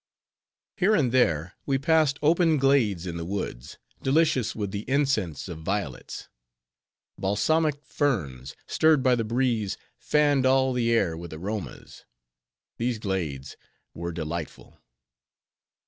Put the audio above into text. Here and there, we passed open glades in the woods, delicious with the incense of violets. Balsamic ferns, stirred by the breeze, fanned all the air with aromas. These glades were delightful.